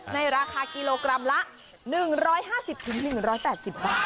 ในราคากิโลกรัมละ๑๕๐๑๘๐บาท